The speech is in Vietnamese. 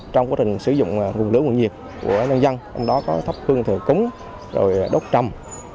trong quá trình sử dụng nguồn lửa nguồn nhiệt của nhân dân ông đó có thốc hương thời cúng rồi đốt trầm